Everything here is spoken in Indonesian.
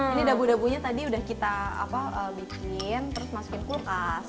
ini dapu dapunya tadi udah kita bikin terus masukin ke kulkas